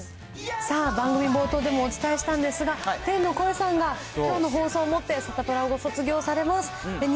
さあ、番組冒頭でもお伝えしたんですが、天の声さんが、きょうの放送をもってサタプラをご卒業されます。